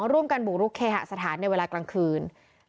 ร่วมกันบุกรุกเคหสถานในเวลากลางคืน